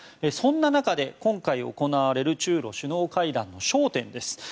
そんな中で今回行われる中ロ首脳会談の焦点です。